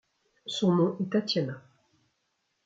Son nom est Tatiana.